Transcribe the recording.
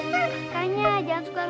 baik baik baik